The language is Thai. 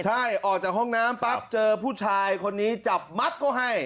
ใช่ออกจากห้องน้ำปั๊บเจอผู้ชายคนนี้จับมัดเขาให้